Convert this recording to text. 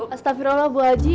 astaghfirullah bu haji